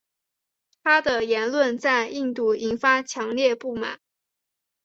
他的言论在印度引发强烈不满。